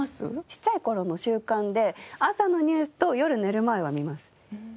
ちっちゃい頃の習慣で朝のニュースと夜寝る前は見ます。